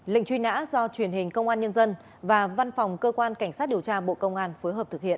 lệnh truy nã do truyền hình công an nhân dân và văn phòng cơ quan cảnh sát điều tra bộ công an phối hợp thực hiện